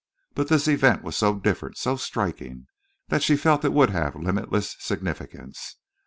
But this event was so different, so striking, that she felt it would have limitless significance.